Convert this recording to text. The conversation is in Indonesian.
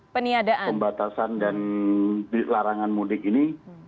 pembatasan dan larangan mudik ini